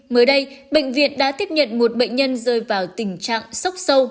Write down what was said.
mới đây bệnh viện đã tiếp nhận một bệnh nhân rơi vào tình trạng sốc sâu